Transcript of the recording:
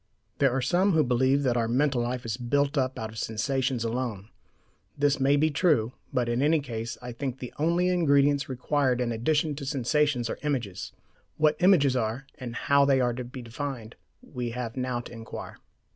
There are some who believe that our mental life is built up out of sensations alone. This may be true; but in any case I think the only ingredients required in addition to sensations are images. What images are, and how they are to be defined, we have now to inquire.